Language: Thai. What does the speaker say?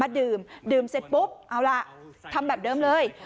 ดื่มดื่มเสร็จปุ๊บเอาล่ะทำแบบเดิมเลย